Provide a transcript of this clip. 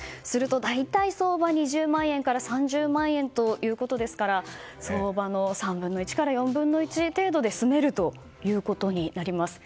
大体、相場２０万円から３０万円ということですから相場の３分の１から４分の１程度で住めるということになります。